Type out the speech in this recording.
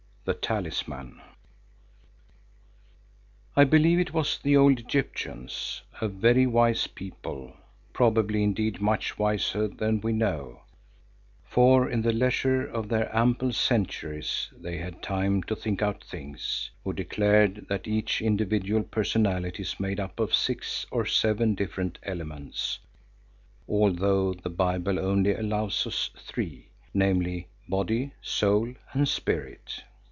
THE TALISMAN I believe it was the old Egyptians, a very wise people, probably indeed much wiser than we know, for in the leisure of their ample centuries they had time to think out things, who declared that each individual personality is made up of six or seven different elements, although the Bible only allows us three, namely, body, soul, and spirit.